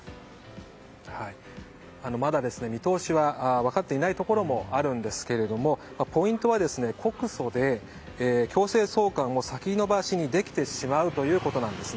まだ見通しは分かっていないところもあるんですけどもポイントは告訴で強制送還を先延ばしにできてしまうということなんです。